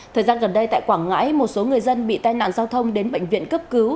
thời gian gần đây tại quảng ngãi một số người dân bị tai nạn giao thông đến bệnh viện cấp cứu